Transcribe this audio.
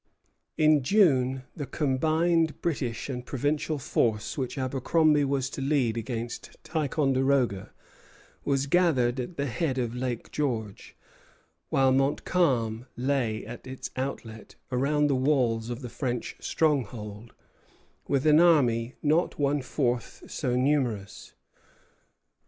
In June the combined British and provincial force which Abercromby was to lead against Ticonderoga was gathered at the head of Lake George; while Montcalm lay at its outlet around the walls of the French stronghold, with an army not one fourth so numerous.